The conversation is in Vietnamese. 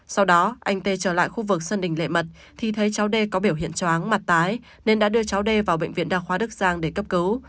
sau đó anh t trở lại khu vực sân đỉnh lệ mật thì thấy cháu d có biểu hiện choáng mặt tái nên đã đưa cháu d vào bệnh viện đà khoa đức giang để cấp cứu